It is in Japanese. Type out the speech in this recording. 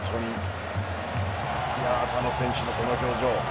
浅野選手のこの表情。